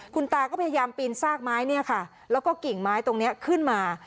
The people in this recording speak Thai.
คุณตาก็พยายามปีนซากไม้เนี่ยค่ะแล้วก็กิ่งไม้ตรงนี้ขึ้นมา